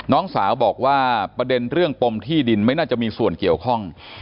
น้องสาวบอกว่าประเด็นเรื่องปมที่ดินไม่น่าจะมีส่วนเกี่ยวข้อง